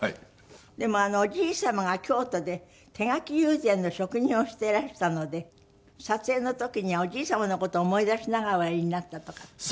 でもおじい様が京都で手描き友禅の職人をしていらしたので撮影の時にはおじい様の事を思い出しながらおやりになったとかって。